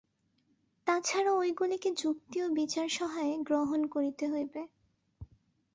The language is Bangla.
তাছাড়া ঐগুলিকে যুক্তি ও বিচার-সহায়ে গ্রহণ করিতে হইবে।